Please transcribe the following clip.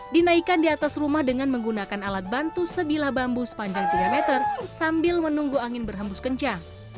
dinaikkan di atas rumah dengan menggunakan alat bantu sebilah bambu sepanjang tiga meter sambil menunggu angin berhembus kencang